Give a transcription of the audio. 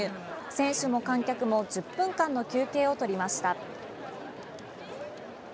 選手も観客も１０分間の休憩をとりました。